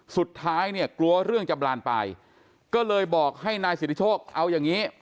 สุดท้ายเนี่ยกลัวเรื่องจะบานปลายก็เลยบอกให้นายสิทธิโชคเอาอย่างนี้